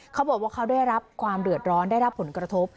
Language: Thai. เขาบอกว่าเขาได้รับความเดือดร้อนได้รับผลกระทบ